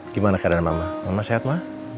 gimana keadaan mama mama sehat mama